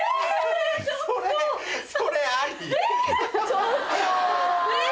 ちょっと。